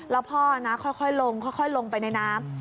แล้วพ่อค่อยลงลงไปในน้ำ